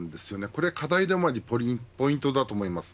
これは課題でもありポイントだと思います。